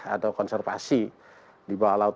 atau konservasi di bawah laut